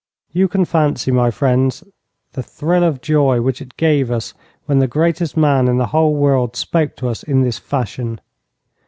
You can fancy, my friends, the thrill of joy which it gave us when the greatest man in the whole world spoke to us in this fashion.